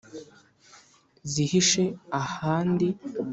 zihishe ahandi.